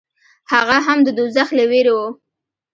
هغه هم د دوزخ له وېرې و.